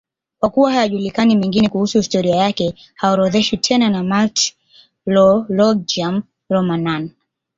Kwa kuwa hayajulikani mengine kuhusu historia yake, haorodheshwi tena na Martyrologium Romanum.